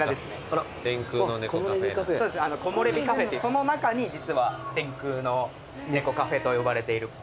その中に実は天空の猫カフェと呼ばれている所がございます。